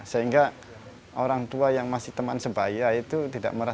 sehingga orang tua yang masih teman sebaya itu tidak merasa